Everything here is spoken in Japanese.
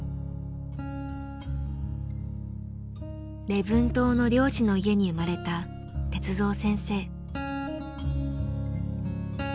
礼文島の漁師の家に生まれた鉄三先生。